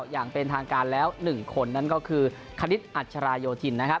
อย่างเป็นทางการแล้ว๑คนนั่นก็คือคณิตอัชราโยธินนะครับ